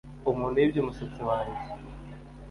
Umuntu yibye umusatsi wanjye